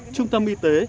trung tâm y tế